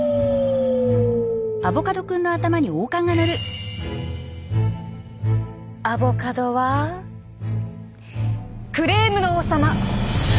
アボカドはクレームの王様。